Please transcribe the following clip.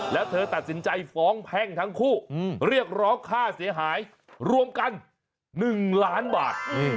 แล้วเธอตัดสินใจฟ้องแพ่งทั้งคู่เรียกร้องค่าเสียหายรวมกัน๑ล้านบาท